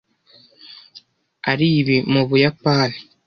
aribi mu Buyapani.